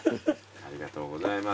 ありがとうございます。